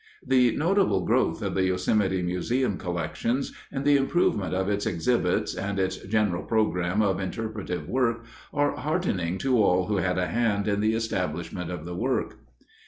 The notable growth of the Yosemite Museum collections and the improvement of its exhibits and its general program of interpretive work are heartening to all who had a hand in the establishment of the work.